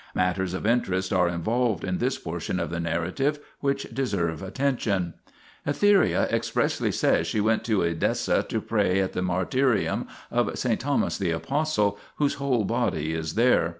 Matters of interest are involved in this portion of the narrative, which deserve attention. Etheria expressly says she went to Edessa to pray at the martyrium of S. Thomas the Apostle, whose whole body is there.